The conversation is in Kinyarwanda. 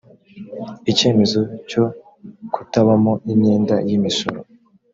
icyemezo cyo kutabamo imyenda y imisoro